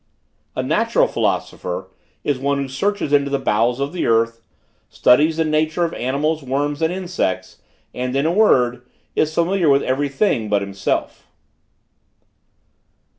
"A natural philosopher is one who searches into the bowels of the earth, studies the nature of animals, worms and insects, and, in a word, is familiar with every thing, but himself.